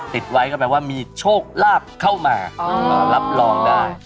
ติดไว้ก็แปลว่ามีโชคลาภเข้ามารับรองได้